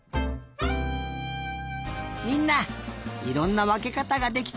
みんないろんなわけかたができたね。